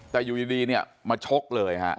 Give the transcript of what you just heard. แต่อยู่ดีเนี่ยมาชกเลยฮะ